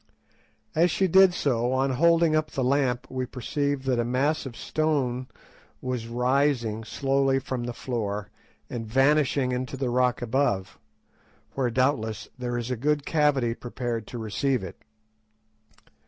As she did so, on holding up the lamp we perceived that a mass of stone was rising slowly from the floor and vanishing into the rock above, where doubtless there is a cavity prepared to receive it.